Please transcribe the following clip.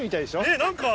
ねっ何か。